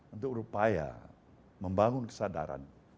untuk berupaya membangun kesadaran